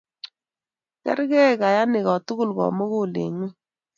Kerget kayanit kotukul komugul eng ngony